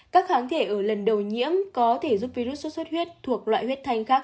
các kháng thể ở lần đầu nhiễm có thể giúp virus suốt suốt huyết thuộc loại huyết thanh khác